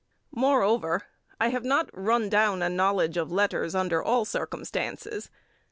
Moreover, I have not run down a knowledge of letters under all circumstances.